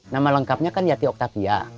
nama lengkapnya kan yati oktavia